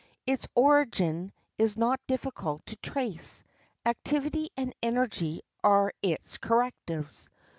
Its origin is not difficult to trace; activity and energy are its correctives.